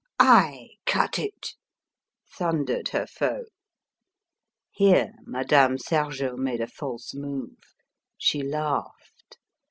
"I cut it!" thundered her foe. Here Madame Sergeot made a false move. She laughed.